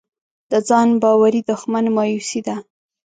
د ځان باورۍ دښمن مایوسي ده.